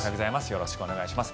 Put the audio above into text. よろしくお願いします。